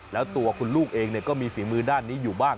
แล้วตัวคุณลูกเองก็มีฝีมือด้านนี้อยู่บ้าง